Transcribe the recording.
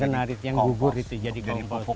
daun kenari yang gugur itu jadi kompos